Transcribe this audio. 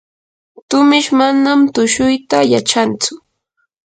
tumish manam tushuyta yachantsu.